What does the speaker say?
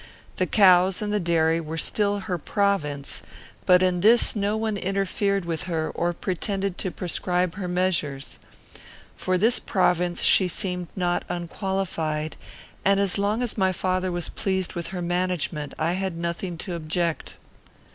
The cows and the dairy were still her province; but in this no one interfered with her or pretended to prescribe her measures. For this province she seemed not unqualified, and, as long as my father was pleased with her management, I had nothing to object.